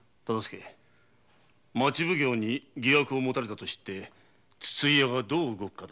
町奉行に疑惑をもたれたと知って筒井屋がどう動くかだ。